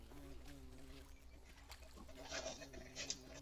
哈里逊温泉原称圣雅丽斯泉其中一个女儿命名。